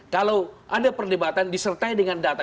kalau ada perdebatan disertai dengan data